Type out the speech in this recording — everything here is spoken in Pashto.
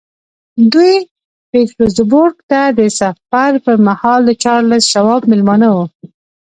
دوی پیټرزبورګ ته د سفر پر مهال د چارلیس شواب مېلمانه وو